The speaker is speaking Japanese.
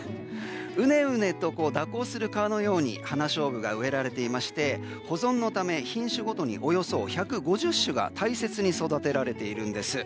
うねうねと蛇行する川のように花菖蒲が植えられていまして保存のため品種ごとおよそ１５０種が大切に育てられているんです。